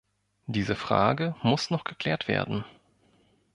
Diese Frage muss noch geklärt werden.